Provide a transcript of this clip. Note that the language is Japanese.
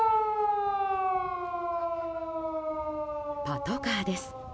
パトカーです。